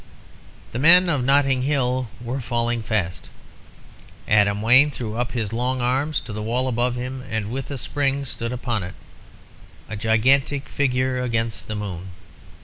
"The men of Notting Hill were falling fast. Adam Wayne threw up his long arms to the wall above him, and with a spring stood upon it; a gigantic figure against the moon.